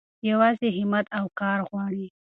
يوازې هيمت او کار غواړي.